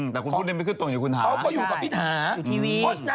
แต่คุณพูดนึงไม่คือตรงอยู่คุณท้าใช่อยู่ทีวีเขาก็อยู่กับพี่ท้า